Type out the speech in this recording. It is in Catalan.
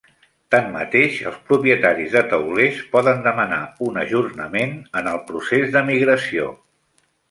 Tanmateix, els propietaris de taulers poden demanar un ajornament en el procés de migració.